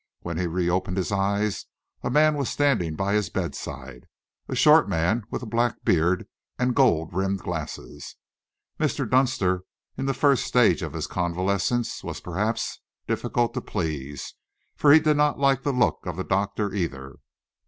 When he reopened his eyes, a man was standing by his bedside, a short man with a black beard and gold rimmed glasses. Mr. Dunster, in this first stage of his convalescence, was perhaps difficult to please, for he did not like the look of the doctor, either.